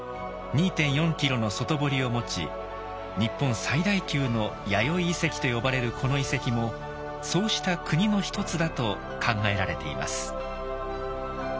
２．４キロの外堀を持ち日本最大級の弥生遺跡と呼ばれるこの遺跡もそうしたクニの一つだと考えられています。